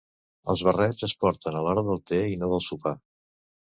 Els barrets es porten a l'hora del te i no del sopar.